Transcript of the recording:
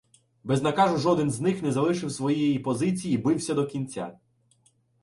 Без наказу жоден з них не залишив своєї позиції і бився до кінця.